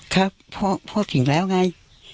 ครับพ่อถึงแล้วไง